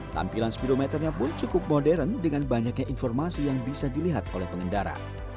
tampilan speedometernya pun cukup modern dengan banyaknya informasi yang bisa dilihat oleh pengendara